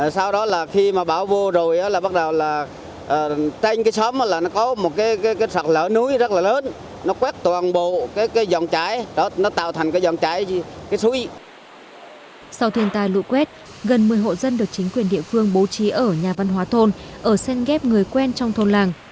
sau thiên tai lũ quét gần một mươi hộ dân được chính quyền địa phương bố trí ở nhà văn hóa thôn ở sen ghép người quen trong thôn làng